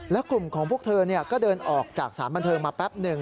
แล้วกลุ่มของพวกเธอก็เดินออกจากสารบันเทิงมาแป๊บหนึ่ง